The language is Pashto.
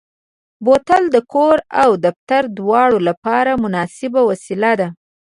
بوتل د کور او دفتر دواړو لپاره مناسبه وسیله ده.